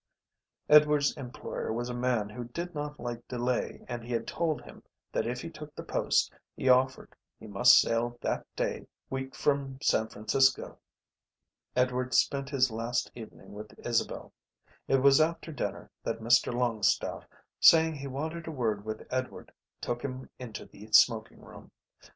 Edward's employer was a man who did not like delay and he had told him that if he took the post he offered he must sail that day week from San Francisco. Edward spent his last evening with Isabel. It was after dinner that Mr Longstaffe, saying he wanted a word with Edward, took him into the smoking room.